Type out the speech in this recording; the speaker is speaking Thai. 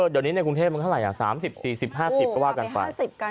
เดี๋ยวนี้ในกรุงเทพมันเท่าไหร่๓๐๔๐๕๐ก็ว่ากันไป